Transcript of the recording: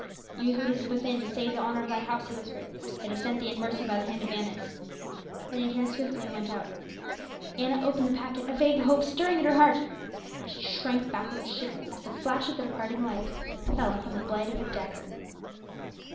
"Use what is within to save the honor of thy house," he whispered. "It is sent thee in mercy by the hand of Annas." Then he turned swiftly and went out. Anna opened the packet, a vague hope stirring at her heart; but she shrank back with a shiver as the flash of the departing light fell upon the blade of a dagger.